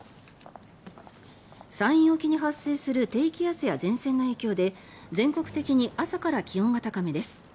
山陰沖に発生する低気圧や前線の影響で全国的に朝から気温が高めです。